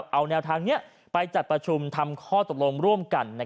เอาแนวทางนี้ไปจัดประชุมทำข้อตกลงร่วมกัน